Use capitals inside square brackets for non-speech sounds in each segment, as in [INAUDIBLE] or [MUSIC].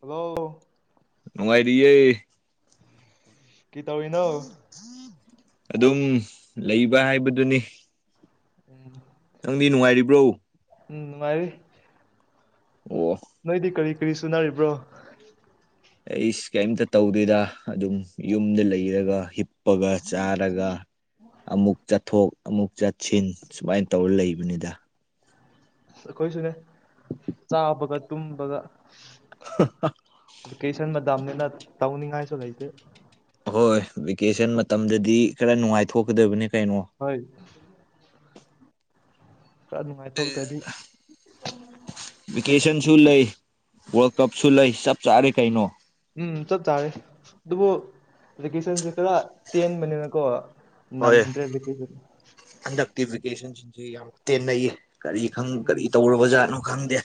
hello ꯅꯨꯡꯉꯥꯏꯔꯤꯌꯦ ꯀꯩꯇꯧꯔꯤꯅꯣ ꯑꯗꯨꯝ ꯂꯩꯕ ꯍꯥꯏꯕꯗꯨꯅꯤ ꯎꯝ ꯅꯪꯗꯤ ꯅꯨꯡꯉꯥꯏꯔꯤꯕ꯭ꯔꯣ ꯎꯝ ꯃꯅꯨꯡꯉꯥꯏꯔꯤ ꯑꯣ ꯅꯣꯏꯗꯤ ꯀꯔꯤ ꯀꯔꯤ ꯁꯨꯅꯔꯤꯕ꯭ꯔꯣ ꯑꯩꯁ ꯀꯩꯝꯇ ꯇꯧꯗꯦꯗ ꯑꯗꯨꯝ ꯌꯨꯝꯗ ꯂꯩꯔꯒ ꯍꯤꯞ ꯄꯒ ꯆꯥꯔꯒ ꯑꯃꯨꯛ ꯆꯠꯊꯣꯛ ꯑꯃꯨꯛ ꯆꯠꯁꯤꯟ ꯁꯨꯃꯥꯏꯅ ꯇꯧꯔ ꯂꯩꯕꯅꯤꯗ ꯑꯩꯈꯣꯏꯁꯨꯅꯦ ꯆꯥꯕꯒ ꯇꯨꯝꯕꯒ [UNINTELLIGIBLE] ꯇꯗꯥꯝꯅ ꯇꯥꯎꯅꯤꯡ ꯉꯥꯏ ꯁꯧꯅꯤꯡ ꯉꯥꯢꯁꯨ ꯂꯩꯇꯦ ꯑꯣꯏ ꯚꯦꯀꯦꯁꯟ ꯃꯇꯝꯗꯗꯤ ꯈꯔ ꯅꯨꯡꯉꯥꯏꯊꯣꯛꯀꯗꯕꯅꯤ ꯀꯩꯅꯣ ꯍꯣꯏ ꯈꯔ ꯅꯨꯡꯉꯥꯏ ꯊꯣꯛ ꯇꯗꯤ ꯂꯣꯀꯦꯁꯟꯁꯨ ꯂꯩ ꯋꯥꯔ ꯀꯞ ꯁꯨ ꯂꯩ ꯆꯞ ꯆꯥꯔꯦ ꯀꯥꯏꯅꯣ ꯕꯦꯀꯦꯁꯟꯁꯤ ꯈꯔ ꯇꯦꯟꯕꯅꯤꯅ ꯀꯣ ꯍꯣꯏ ꯍꯟꯗꯥꯛꯇꯤ ꯕꯦꯀꯦꯁꯟ ꯁꯤ ꯌꯥꯝ ꯇꯦꯟꯅꯩꯌꯦ ꯀꯔꯤ ꯎꯝ ꯀꯔꯤ ꯇꯧꯔꯕ ꯖꯥꯠꯅꯣ ꯈꯪꯗꯦ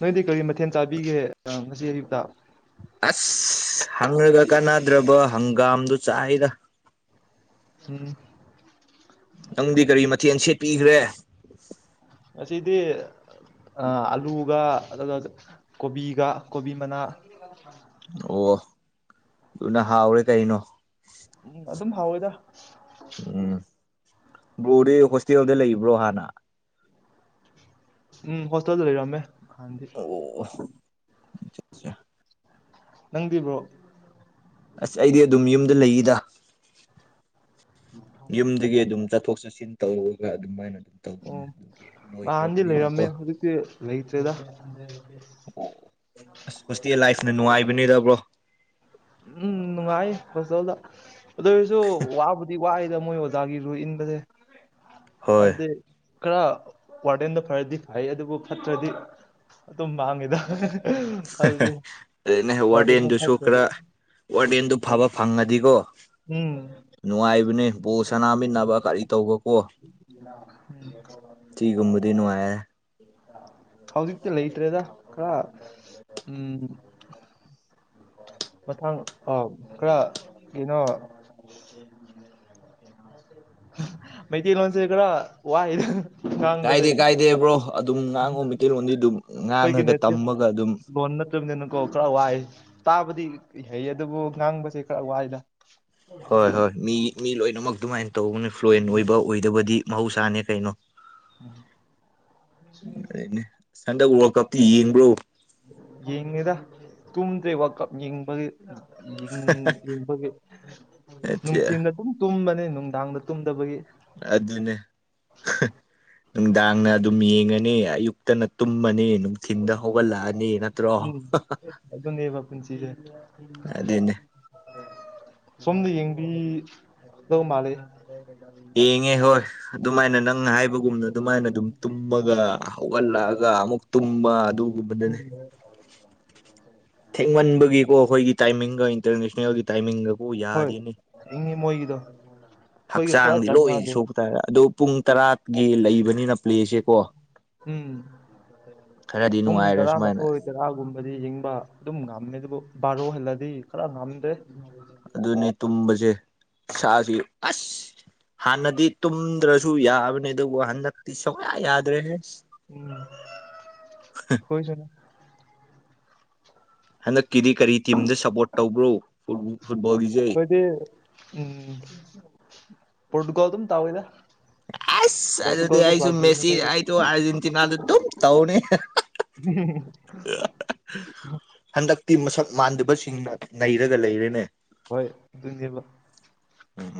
ꯅꯣꯏꯗꯤ ꯀꯔꯤ ꯃꯊꯦꯜ ꯆꯥꯕꯤꯒꯦ ꯉꯁꯤ ꯑꯌꯨꯛꯇ ꯑꯁ ꯍꯪꯔꯒ ꯀꯥꯟꯅꯗ꯭ꯔꯕ ꯍꯪꯒꯥꯝꯗꯨ ꯆꯥꯏꯌꯦꯗ [UNINTELLIGIBLE] ꯄꯤꯒ꯭ꯔꯦ ꯑꯁꯤꯗꯤ ꯑ ꯑꯂꯨꯒ ꯑꯗꯨꯒ ꯀꯣꯕꯤꯒ ꯀꯣꯕꯤ ꯃꯅꯥ ꯑꯣ ꯗꯨꯅ ꯍꯥꯎꯔꯦ ꯀꯩꯅꯣ ꯎꯝ ꯑꯗꯨꯝ ꯍꯥꯎꯋꯦꯗ ꯎꯝ ꯕ꯭ꯔꯣꯗꯤ ꯍꯣꯁꯇꯦꯜꯗ ꯂꯩꯕ꯭ꯔꯣ ꯍꯥꯟꯅ ꯎꯝ ꯍꯣꯁꯇꯦꯜꯗ ꯂꯩꯔꯝꯃꯦ ꯍꯥꯟꯗꯤ ꯑꯣ ꯅꯪꯗꯤ ꯕ꯭ꯔꯣ ꯑꯁ ꯑꯩꯗꯤ ꯑꯗꯨꯝ ꯌꯨꯝꯗ ꯂꯩꯌꯦꯗ ꯌꯨꯝꯗꯒꯤ ꯑꯗꯨꯝ ꯆꯠꯊꯣꯛ ꯆꯠꯁꯤꯟ ꯇꯧꯔꯒ ꯑꯗꯨꯃꯥꯏꯅ ꯑꯗꯨꯝ ꯑꯣ ꯇꯧꯕꯅꯦ ꯑꯗꯨꯒꯤ ꯅꯍꯥꯟꯗꯤ ꯂꯣꯏꯈ꯭ꯔꯕꯅꯤꯅꯀꯣ ꯂꯩꯔꯝꯃꯦ ꯍꯨꯖꯤꯛꯇꯤ ꯂꯩꯇ꯭ꯔꯦꯗ [INAUDIBLE] [UNINTELLIGIBLE] ꯕꯅꯤꯗ ꯕ꯭ꯔꯣ ꯎꯝ ꯅꯨꯡꯉꯥꯏ ꯍꯣꯁꯇꯦꯜꯗ ꯑꯗꯨ ꯑꯣꯢꯁꯨ ꯋꯥꯕꯗꯤ ꯋꯥꯏꯗ ꯃꯣꯏ ꯑꯣꯖꯥꯒꯤ ꯔꯨ ꯏꯟꯕꯁꯦ ꯍꯣꯏ ꯍꯥꯏꯕꯗꯤ ꯈꯔ ꯋꯥꯔꯗꯦꯟꯗꯣ ꯐꯔꯗꯤ ꯐꯩ ꯑꯗꯨꯕꯨ ꯐꯠꯇ꯭ꯔꯗꯤ ꯑꯗꯨꯝ ꯃꯥꯡꯉꯦꯗ [UNINTELLIGIBLE] ꯑꯗꯨꯅ ꯋꯥꯔꯗꯦꯟꯗꯣ ꯋꯥꯔꯗꯦꯟꯗꯨꯁꯨ ꯐꯠꯇ꯭ꯔꯗꯤ ꯈꯔ ꯋꯥꯔꯗꯦꯟꯗꯨ ꯍꯣꯏ ꯐꯕ ꯐꯪꯉꯗꯤꯀꯣ ꯎꯝ ꯅꯨꯡꯉꯥꯏꯕꯅꯦ ꯕꯣꯜ ꯁꯟꯅꯥꯃꯤꯟꯅꯕ ꯀꯔꯤ ꯇꯧꯕ ꯀꯣ ꯊꯤꯒꯨꯝꯕ ꯗꯦ ꯅꯨꯉꯥꯢꯌꯦ ꯍꯧꯖꯤꯛꯇꯤ ꯂꯩꯇ꯭ꯔꯦꯗ ꯈꯔ ꯎꯝ [INAUDIBLE] ꯃꯊꯪ ꯑꯥꯎ ꯈꯔ ꯀꯤꯅꯣ ꯃꯩꯇꯩꯂꯣꯜꯁꯦ ꯈꯔ ꯋꯥꯏꯌꯦ ꯀꯥꯏꯗꯦ ꯀꯥꯏꯗꯦ ꯕ꯭ꯔꯣ ꯑꯗꯨꯝ ꯉꯥꯡꯉꯣ ꯃꯩꯇꯩ ꯂꯣꯟꯗꯤ ꯑꯗꯨꯝ ꯉꯥꯡꯉꯒ ꯇꯝꯃꯒ ꯑꯗꯨꯝ ꯀꯣ ꯈꯔ ꯋꯥꯏ ꯇꯥꯕꯗꯤ ꯍꯩꯌꯦ ꯑꯗꯨꯕꯨ ꯉꯥꯡꯕꯁꯦ ꯈꯔ ꯋꯥꯏꯗ ꯍꯣꯏ ꯍꯣꯏ ꯃꯤ ꯃꯤ ꯂꯣꯏꯅꯃꯛ ꯑꯗꯨꯃꯥꯏ ꯇꯧꯕꯅꯦ ꯐ꯭ꯂꯨꯋꯦꯟ ꯑꯣꯏꯕ ꯑꯣꯏꯗꯕꯗꯤ ꯃꯍꯧꯁꯥꯅꯦ ꯀꯩꯅꯣ ꯑꯗꯨꯅꯦ [UNINTELLIGIBLE] ꯍꯟꯗꯛ ꯋꯥꯔꯜ ꯀꯞꯇꯤ ꯌꯦꯡꯕ꯭ꯔꯣ ꯌꯦꯡꯉꯦꯗ ꯇꯨꯝꯗ꯭ꯔꯦ ꯋꯥꯀꯞ ꯌꯦꯡꯕꯒꯤ ꯌꯦꯡꯅꯤꯡ ꯌꯦꯡꯕꯒꯤ ꯅꯨꯡꯇꯤꯜ ꯑꯗꯨꯝ ꯇꯨꯝꯕ ꯅꯦ ꯅꯨꯡꯗꯥꯡꯗ ꯇꯨꯝꯗꯕꯒꯤ ꯑꯗꯨꯅꯦ ꯅꯨꯡꯗꯥꯡꯅ ꯑꯗꯨꯝ ꯌꯦꯡꯉꯅꯤ ꯑꯌꯨꯛꯇꯅ ꯇꯨꯝꯃꯅꯤ ꯅꯨꯡꯊꯤꯟꯗ ꯍꯧꯒꯠꯂꯛꯑꯅꯤ ꯅꯠꯇ꯭ꯔꯣ ꯎꯝ ꯑꯗꯨꯅꯦꯕ ꯄꯨꯟꯁꯤꯁꯦ [UNINTELLIGIBLE] ꯑꯗꯨꯅꯦ ꯁꯣꯝꯗ ꯌꯦꯡꯕꯤ ꯗ ꯃꯥꯜꯂꯦ ꯌꯦꯡꯉꯦ ꯍꯣꯏ ꯎꯝ ꯑꯗꯨꯃꯥꯏꯅ ꯅꯪ ꯍꯥꯏꯕꯒꯨꯝꯅ ꯑꯗꯨꯃꯥꯏꯅ ꯑꯗꯨꯝ ꯇꯨꯝꯃꯒ ꯍꯧꯒꯠꯂꯛꯑꯒ ꯑꯃꯨꯛ ꯇꯨꯝꯕ ꯑꯗꯨꯒꯨꯝꯕꯗꯅꯦ ꯎꯝ ꯊꯦꯡꯃꯟꯕꯒꯤꯀꯣ ꯑꯩꯈꯣꯏꯒꯤ ꯇꯥꯏꯃꯤꯡꯒ ꯏꯟꯇꯔꯅꯦꯁꯅꯦꯜꯒꯤ ꯇꯥꯏꯃꯤꯡꯒꯕꯨ ꯍꯣꯏ ꯌꯥꯗꯦꯅꯦ ꯌꯦꯡꯉꯤ ꯃꯣꯏꯒꯤꯗꯣ ꯑꯩꯈꯣꯏꯒ ꯈꯔ ꯍꯛꯆꯥꯡꯗꯤ ꯂꯣꯏ ꯆꯥꯟꯅꯗꯦ ꯁꯣꯛ ꯇꯥꯔꯦ ꯑꯗꯣ ꯄꯨꯡ ꯇꯔꯥꯒꯤ ꯂꯩꯕꯅꯤꯅ ꯄ꯭ꯂꯦꯁꯦ ꯀꯣ ꯎꯝ ꯄꯨꯡ ꯇꯔꯥꯃꯊꯣꯏ ꯇꯔꯥꯒꯨꯝꯕꯗꯤ ꯌꯦꯡꯕ ꯑꯗꯨꯝ ꯉꯝꯃꯦ ꯑꯗꯨꯕꯨ ꯕꯥꯔꯣ ꯍꯦꯜꯂꯗꯤ ꯈꯔ ꯉꯝꯗꯦ ꯑꯗꯨꯅꯦ ꯇꯨꯝꯕꯁꯦ ꯏꯁꯥꯁꯤ ꯑꯁ ꯍꯥꯟꯅꯗꯤ ꯇꯨꯝꯗ꯭ꯔꯁꯨ ꯌꯥꯕꯅꯦ ꯑꯗꯨꯕꯨ ꯍꯟꯗꯛꯇꯤ ꯁꯨꯛꯌꯥ ꯌꯥꯗ꯭ꯔꯦꯍꯦ ꯎꯝ ꯈꯣꯏꯁꯨꯅꯤ ꯍꯟꯗꯛꯀꯤꯗꯤ ꯀꯔꯤ ꯇꯤꯝꯗ ꯁꯞꯄꯣꯔꯠ ꯇꯧꯕ꯭ꯔꯣ ꯐꯨꯠꯕꯣꯜꯒꯤꯁꯦ ꯀꯣꯏꯗꯤ ꯎꯝ ꯄꯣꯔꯇꯨꯒꯜ ꯑꯗꯨꯝ ꯇꯥꯋꯦꯗ [UNINTELLIGIBLE] ꯑꯁ ꯑꯗꯨꯗꯤ ꯑꯩꯁꯨ ꯃꯦꯁꯤ ꯑꯩꯈꯣꯏꯗꯤ ꯑꯩꯗꯣ ꯑꯥꯔꯖꯦꯟꯇꯤꯅꯥꯗ ꯑꯗꯨꯝ ꯇꯧꯅꯤ ꯍꯨꯝ ꯍꯨꯝ ꯍꯟꯗꯛꯇꯤ ꯃꯁꯛ ꯃꯥꯟꯗꯕꯁꯤꯡꯅ ꯅꯩꯔꯒ ꯂꯩꯔꯦꯅꯦ ꯍꯣꯏ ꯑꯗꯨꯅꯦꯕ ꯎꯝ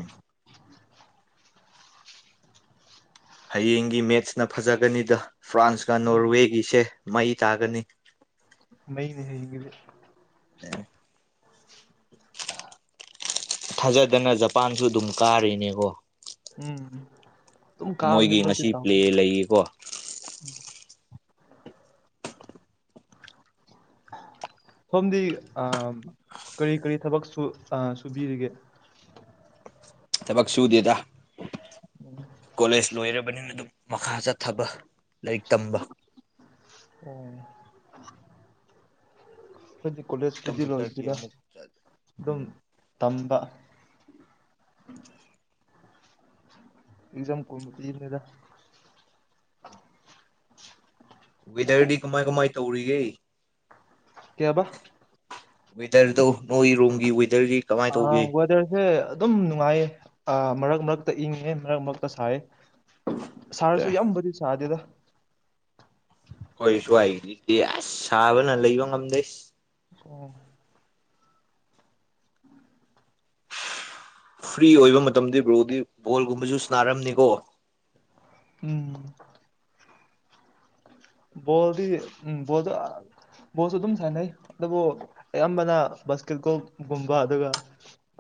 ꯍꯌꯦꯡꯒꯤ ꯃꯦꯠꯁꯅ ꯐꯖꯒꯅꯤꯗ ꯐ꯭ꯔꯥꯟꯁꯀ ꯎꯝ ꯅꯣꯔꯋꯦꯒꯤꯁꯦ ꯃꯩ ꯇꯥꯒꯅꯤ ꯃꯩꯅꯤꯍꯦ ꯍꯥꯌꯦꯡꯒꯤꯗꯤ [INAUDIBLE] ꯊꯥꯖꯗꯅ ꯖꯄꯥꯟꯁꯨ ꯑꯗꯨꯝ ꯀꯥꯔꯤꯅꯦꯀꯣ ꯎꯝ ꯑꯗꯨꯝ ꯀꯥꯕꯅꯦ ꯃꯣꯏꯒꯤ ꯃꯣꯏꯗꯤ ꯉꯁꯤ ꯄ꯭ꯂꯦ ꯗꯥꯎꯅꯤ ꯂꯩꯌꯦꯀꯣ [INAUDIBLE] ꯁꯣꯝꯗꯤ ꯑ ꯀꯔꯤ ꯀꯔꯤ ꯊꯕꯛ ꯁꯨ ꯁꯨꯕꯤꯔꯤꯒꯦ [INAUDIBLE] ꯊꯕꯛ ꯁꯨꯗꯦꯗ ꯀꯣꯂꯦꯖ ꯂꯣꯏꯔꯕꯅꯤꯅ ꯑꯗꯨꯝ ꯃꯈꯥ ꯆꯠꯊꯕ ꯂꯥꯏꯔꯤꯛ ꯇꯝꯕ ꯑꯣ ꯑꯩꯈꯣꯏꯒꯤ ꯀꯣꯂꯦꯖ ꯄꯨꯗꯤ ꯀꯝꯄ꯭ꯌꯨꯇꯔꯒꯤ ꯂꯣꯢꯗ꯭ꯔꯤꯗ ꯑꯃꯨꯛ ꯑꯗꯨꯝ ꯎꯝ ꯇꯝꯕ ꯑꯁ ꯑꯕꯥ ꯑꯕꯥ ꯑꯦꯖꯝ ꯀꯨꯝ ꯄꯤꯕꯅꯤꯗ ꯋꯦꯗꯔꯗꯤ ꯀꯃꯥꯏ ꯀꯃꯥꯏ ꯇꯧꯔꯤꯒꯦ ꯀꯩꯌꯥꯕ ꯋꯦꯇꯔ ꯅꯣꯢ ꯔꯣꯝꯒꯤ ꯋꯦ ꯑ ꯋꯦꯗꯔꯁꯦ ꯑꯗꯨꯝ ꯅꯨꯡꯉꯥꯏꯌꯦ ꯑ ꯃꯔꯛ ꯃꯔꯛꯇ ꯏꯪꯉꯦ ꯃꯔꯛ ꯃꯔꯛꯇ ꯁꯥꯏꯌꯦ ꯁꯥꯔꯁꯨ ꯌꯥꯝꯕꯨꯗꯤ ꯁꯥꯗꯦꯗ ꯍꯣꯏ ꯁ꯭ꯋꯥꯏꯒꯤꯗꯤ ꯑꯁ ꯁꯥꯕꯅ ꯂꯩꯕ ꯉꯝꯗꯦ ꯑꯣ ꯐ꯭ꯔꯤ ꯑꯣꯏꯕ ꯃꯇꯝꯗꯤ ꯕ꯭ꯔꯣꯗꯤ ꯕꯣꯜꯒꯨꯝꯕꯁꯨ ꯁꯅꯥꯔꯝꯅꯤꯀꯣ ꯎꯝ ꯕꯣꯜꯗꯤ ꯎꯝ ꯕꯣꯜꯗ ꯑ ꯕꯣꯜꯁꯨ ꯑꯗꯨꯝ ꯁꯥꯟꯅꯩ ꯑꯗꯨꯕꯨ ꯑꯌꯥꯝꯕꯅ ꯕꯥꯁꯀꯦꯠ ꯕꯣꯜꯒꯨꯝꯕ ꯑꯗꯨꯒ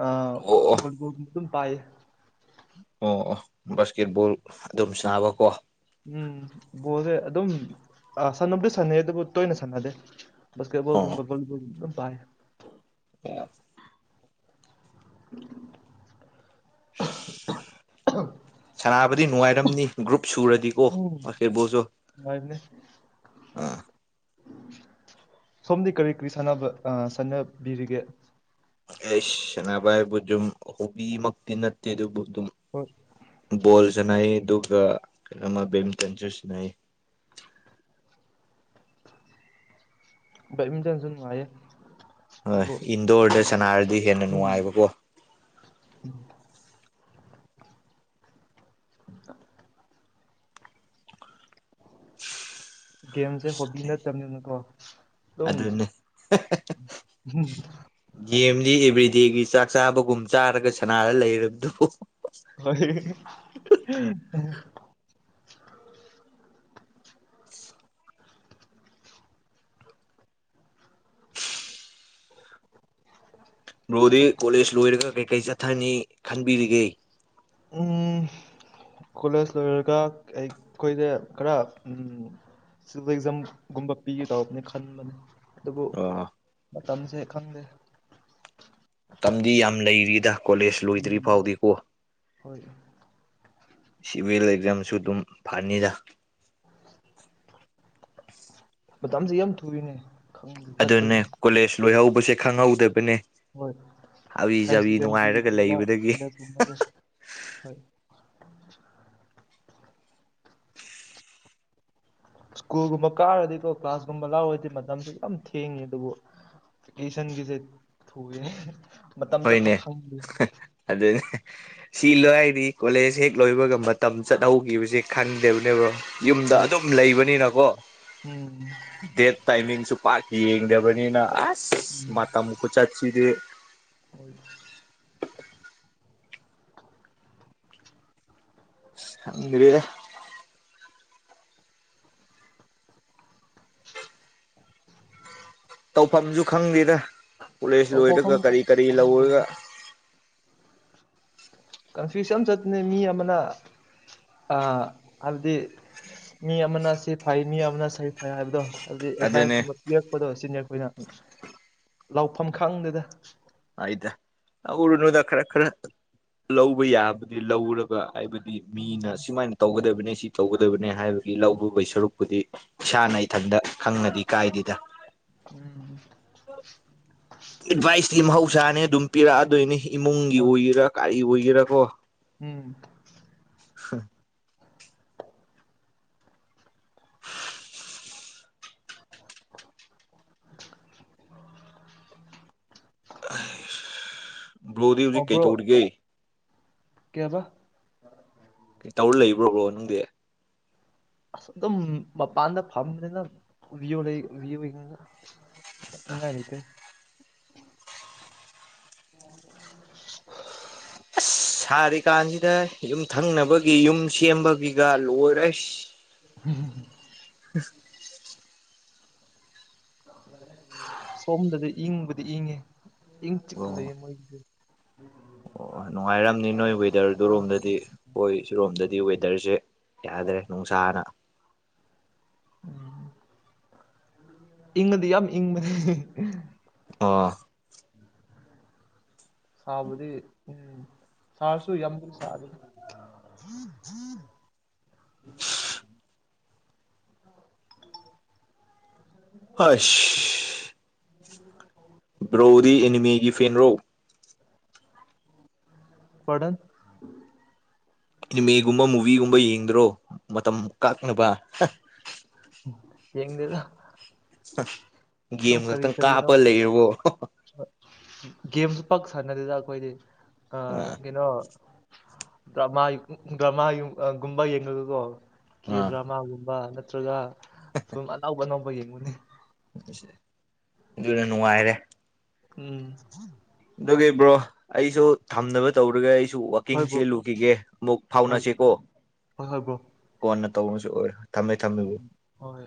ꯑꯥ ꯑꯣ ꯑꯣ ꯏꯁꯤꯡ ꯄꯨꯟ ꯄꯨꯕꯤ ꯑꯗꯨꯨꯝ ꯄꯥꯏꯌꯦ ꯑꯣ ꯕꯥꯁꯀꯦꯠꯕꯣꯜ ꯑꯗꯨꯝ ꯁꯥꯅꯕꯀꯣ ꯎꯝ ꯕꯣꯜꯁꯦ ꯑꯗꯨꯝ ꯁꯥꯟꯅꯕꯗꯤ ꯁꯥꯟꯅꯩ ꯑꯗꯨꯕꯨ ꯇꯣꯏꯅ ꯁꯥꯟꯅꯗꯦ ꯀꯦꯕꯜꯒꯨꯝꯕ ꯕꯪꯂꯣꯒꯨꯝꯕ ꯄꯥꯏ ꯑ ꯎꯝ ꯑꯍ ꯅꯥꯕꯗꯤ ꯅꯨꯡꯉꯥꯏꯔꯝꯅꯤ ꯒ꯭ꯔꯨꯞ ꯁꯨꯔꯨꯔꯗꯤ ꯀꯣ ꯎꯝ ꯑꯣꯛꯀꯦ ꯕꯣꯖꯣ ꯅꯨꯡꯉꯥꯏꯕꯅꯦ ꯁꯣꯝꯗꯤ ꯀꯔꯤ ꯀꯔꯤ ꯁꯥꯟꯅꯕ ꯁꯥꯟꯅꯕꯤꯔꯤꯒꯦ ꯑꯦꯁ ꯁꯥꯟꯅꯕ ꯍꯥꯏꯕꯨ ꯁꯨꯝ ꯍꯣꯕꯤꯃꯛꯇꯤ ꯅꯠꯇꯦ ꯑꯗꯨꯕꯨ ꯑꯗꯨꯝ ꯍꯣꯏ ꯕ ꯣꯜꯁꯟꯅꯩꯌꯦꯑꯗꯨ ꯑꯗꯨꯒ ꯖꯦꯠ ꯃꯤꯇꯟꯁꯨ ꯁꯥꯟꯅꯩ ꯕꯦꯠꯃꯤꯟꯇꯟꯁꯨ ꯅꯨꯡꯉꯥꯏꯌꯦ ꯍꯣꯏ ꯑꯗꯨꯕꯨ ꯏꯟꯗꯣꯔꯗ ꯁꯅꯔꯗꯤ ꯍꯦꯟꯅ ꯎꯝ ꯅꯨꯡꯉꯥꯏꯕꯀꯣ [INAUDIBLE] ꯒꯦꯝꯁꯦ ꯍꯣꯕꯤ ꯅꯠꯇꯕꯅꯤꯅꯀꯣ ꯑꯗꯨꯝ ꯑꯗꯨꯅꯦ ꯒꯦꯝꯗꯤ ꯑꯦꯚ꯭ꯔꯤ ꯗꯦꯒꯤ ꯆꯥꯛ ꯆꯥꯕꯒꯨꯝ ꯆꯥꯔꯒ ꯁꯅꯥꯔ ꯂꯩꯔꯕꯗꯨꯕꯨ ꯍꯣꯏ ꯕ꯭ꯔꯣꯗꯤ ꯀꯣꯂꯦꯖ ꯂꯣꯏꯔꯒ ꯀꯩꯀꯔꯤ ꯆꯠꯊꯅꯤ ꯈꯟꯕꯤꯔꯤꯒꯦ ꯎꯝ ꯀꯣꯂꯦꯖ ꯂꯣꯏꯔꯒ ꯑꯩꯈꯣꯏꯗ ꯈꯔ ꯎꯝ ꯁꯤꯕꯤꯜ ꯑꯦꯛꯖꯥꯝ ꯒꯨꯝꯕ ꯄꯤꯒꯦ ꯇꯧꯕꯅꯦ ꯈꯟꯕꯅꯦ ꯑꯗꯨꯕꯨ ꯑꯣ ꯃꯇꯝꯁꯦ ꯈꯪꯗꯦ ꯃꯇꯝꯗꯤ ꯌꯥꯝ ꯂꯩꯔꯤꯗ ꯀꯣꯂꯦꯖ ꯂꯣꯏꯗ꯭ꯔꯤ ꯎꯝ ꯐꯥꯎꯗꯤꯀꯣ ꯍꯣꯏ ꯁꯤꯚꯤꯜ ꯑꯦꯛꯖꯥꯝꯁꯨ ꯑꯗꯨꯝ ꯐꯅꯤꯗ ꯃꯇꯝꯁ ꯌꯥꯝ ꯊꯨꯔꯤꯅꯦ ꯑꯗꯨꯅꯦ ꯆꯠꯄꯁꯦ ꯀꯣꯂꯦꯖ ꯂꯣꯏꯍꯧꯕꯁꯦ ꯈꯪꯍꯧꯗꯕꯅꯦ ꯍꯣꯏ ꯍꯥꯕꯤ ꯍꯥꯏꯔ ꯆꯥꯕꯤ ꯅꯨꯡꯉꯥꯏꯔꯒ ꯁꯦꯀꯦꯟꯗꯔꯤꯒꯨꯝꯕ ꯂꯩꯕꯗꯒꯤ ꯀꯂꯦꯖꯀꯨꯝꯕ ꯍꯣꯏ ꯁ꯭ꯀꯨꯜꯒꯨꯝꯕ ꯀꯥꯔꯗꯤꯀꯣ ꯀ꯭ꯂꯥꯁꯀꯨꯝꯕ ꯂꯥꯎꯔꯗꯤ ꯃꯇꯝꯁꯨ ꯌꯥꯝ ꯊꯦꯡꯉꯦ ꯑꯗꯨꯕꯨ ꯕꯦꯀꯦꯁꯟꯒꯤꯁꯤ ꯊꯨꯕꯅꯦ ꯍꯣꯏꯅꯦ ꯑꯗꯨꯅꯦ ꯁꯤ ꯂꯣꯏꯗꯤ ꯀꯣꯂꯦꯖ ꯍꯦꯛ ꯂꯣꯏꯕꯒ ꯃꯇꯝ ꯆꯠꯍꯧꯈꯤꯕꯁꯦ ꯈꯟꯗꯦꯕꯅꯦꯕꯣ ꯌꯨꯝꯗ ꯍꯣꯏ ꯑꯗꯨꯝ ꯂꯩꯕꯅꯤꯅꯀꯣ ꯎꯝ ꯗꯦꯠ ꯇꯥꯏꯃꯤꯡꯁꯨ ꯄꯥꯛ ꯌꯦꯡꯗꯕꯅꯤꯅ ꯑꯁ ꯎꯝ ꯃꯇꯝ ꯈꯨ ꯆꯠꯁꯤꯗꯤ [INAUDIBLE] ꯈꯪꯗ꯭ꯔꯦꯗ ꯇꯧꯐꯝꯁꯨ ꯈꯪꯗꯦꯔ ꯀꯣꯂꯦꯖ ꯇꯧꯊꯣꯛꯐꯝ ꯂꯣꯏꯔꯒ ꯀꯔꯤ ꯀꯔꯤ ꯈꯪꯗꯦ ꯂꯧꯔꯒ ꯀꯟꯐ꯭ꯌꯨꯁ ꯑꯃ ꯆꯠꯄꯅꯦ ꯃꯤ ꯑꯃꯅ ꯑꯥ ꯍꯥꯏꯕꯗꯤ ꯃꯤ ꯑꯃꯅ ꯁꯤ ꯐꯩ ꯃꯤ ꯑꯃꯅ ꯁꯤ ꯐꯩ ꯍꯥꯏꯕꯗꯣ ꯍꯥꯏꯕꯗꯤ ꯑꯗꯨꯅꯦ ꯑꯦꯗꯚꯥꯏꯁꯀꯨꯝꯕ ꯄꯤꯔꯛꯄꯗꯣ ꯁꯤꯅꯤ ꯑꯩꯈꯣꯏꯅ ꯂꯥꯎꯐꯝ ꯈꯪꯗꯦꯗ ꯍꯥꯏꯗ ꯂꯧꯎꯔꯨꯅꯨꯗ ꯈꯔ ꯈꯔ ꯂꯧꯕ ꯌꯥꯕꯨꯗꯤ ꯂꯧꯔꯒ ꯍꯥꯏꯕꯗꯤ ꯃꯤꯅ ꯁꯨꯃꯥꯏꯅ ꯇꯧꯒꯗꯕ ꯁꯤ ꯇꯧꯒꯗꯕꯅꯦ ꯍꯥꯏꯕꯒꯤ ꯂꯧꯕꯒꯤ ꯁꯔꯨꯛꯄꯨꯗꯤ ꯏꯁꯥꯅ ꯏꯊꯟꯇ ꯈꯪꯉꯗꯤ ꯀꯥꯏꯗꯦꯗ ꯎꯝ ꯑꯦꯗꯚꯥꯏꯁꯀꯇꯤ ꯃꯍꯧꯁꯥꯅꯦ ꯑꯗꯨꯝ ꯄꯤꯔꯛꯑꯗꯣꯏꯅꯤ ꯏꯃꯨꯡꯒꯤ ꯍꯣꯏ ꯑꯣꯏꯒꯦꯔꯥ ꯀꯥꯔꯤ ꯑꯣꯏꯒꯦꯔꯥ ꯀꯣ ꯎꯝ ꯍꯝ ꯕ꯭ꯔꯣꯗꯤ ꯍꯧꯖꯤꯛ ꯀꯩ ꯇꯧꯔꯒ ꯀꯩꯍꯥꯏꯕ ꯀꯩ ꯇꯧꯔ ꯂꯩꯕ꯭ꯔꯣꯕ꯭ꯔꯣ ꯅꯪꯗꯤ ꯁꯗꯝ ꯃꯄꯥꯟꯗ ꯐꯝ ꯂꯩꯅꯑꯣ ꯂꯩꯑꯣ ꯈꯠꯅꯔꯤꯗꯤ [INAUDIBLE] [UNINTELLIGIBLE] ꯁꯥꯔꯤ ꯀꯥꯟꯁꯤꯗ ꯌꯨꯝ ꯊꯪꯅꯕꯒꯤ ꯌꯨꯝ ꯁꯦꯝꯕꯒꯤꯒ ꯂꯣꯏꯔꯦ ꯑꯁ ꯎꯝ [UNINTELLIGIBLE] ꯁꯣꯝꯗꯗꯤ ꯏꯪꯕꯗꯤ ꯏꯪꯉꯦ ꯏꯪ ꯆꯤꯛꯀ ꯑꯣ ꯂꯩꯌꯦ ꯃꯣꯏꯒꯤꯗꯤ ꯎꯝ ꯑꯣ ꯅꯨꯡꯉꯥꯏꯔꯝꯅꯤ ꯅꯣꯏ ꯋꯦꯗꯔ ꯔꯣꯝꯗꯗꯤ ꯍꯣꯏ ꯁꯤꯔꯣꯝꯗ ꯗꯤ ꯋꯦꯗꯔꯁꯦ ꯌꯥꯗ꯭ꯔꯦ ꯅꯨꯡꯁꯥꯅ ꯎꯝ ꯏꯪꯉꯗꯤ ꯌꯥꯝ ꯏꯪꯕꯅꯦ ꯍꯦ ꯍꯦ ꯑꯣ ꯁꯥꯕꯗꯤ ꯎꯝ ꯁꯥꯔꯁꯨ ꯌꯥꯝ ꯁꯥꯗꯦ [UNINTELLIGIBLE] ꯍꯥꯢꯁ ꯕ꯭ꯔꯣꯗꯤ ꯑꯦꯅꯤꯃꯦꯒꯤ ꯐꯦꯟ ꯔꯣ ꯄꯔꯗꯟ ꯇꯤꯃꯤꯒꯨꯝꯕ ꯃꯨꯚꯤꯒꯨꯝꯕ ꯌꯦꯡꯗ꯭ꯔꯣ ꯃꯇꯝ ꯀꯛꯅꯕ ꯌꯦꯡꯗꯦꯗ ꯑꯗꯨꯝ ꯒꯦꯝ ꯀꯔꯤ ꯈꯛꯇꯪ ꯀꯔꯤꯅꯣ ꯀꯥꯞꯄ ꯂꯩꯔꯕꯣ [UNINTELLIGIBLE] ꯒꯦꯝꯁꯨ ꯄꯥꯛ ꯁꯥꯟꯅꯗꯦꯗ ꯑꯈꯣꯏꯗꯤ ꯑ ꯑꯥ ꯀꯩꯅꯣ ꯗ꯭ꯔꯃꯥ ꯗ꯭ꯔꯃꯥ ꯒꯨꯝꯕ ꯌꯦꯡꯔꯒꯀꯣ ꯀꯦ ꯑꯥ ꯗ꯭ꯔꯃꯥꯒꯨꯝꯕ ꯅꯠꯇ꯭ꯔꯒ ꯐꯤꯂꯝ ꯑꯅꯧ ꯑꯅꯧꯕ ꯌꯦꯡꯉꯨꯅꯤ ꯑꯗꯨꯅ ꯅꯨꯡꯉꯥꯏꯔꯦ ꯎꯡ ꯑꯗꯨꯒꯤ ꯕ꯭ꯔꯣ ꯑꯩꯁꯨ ꯊꯝꯅꯕ ꯇꯧꯔꯒ ꯑꯩ ꯑꯩꯖꯨ ꯋꯥꯛꯀꯤꯡ ꯍꯣꯏ ꯕ꯭ꯔꯣ ꯆꯦꯜꯂꯨꯈꯤꯒꯦ ꯃꯨꯛ ꯍꯣꯏ ꯐꯥꯎꯅꯁꯦꯀꯣ ꯍꯣꯏ ꯍꯣꯏ ꯕ꯭ꯔꯣ ꯀꯣꯟꯅ ꯇꯧꯕꯁꯨ ꯑꯣꯢ ꯍꯣꯏ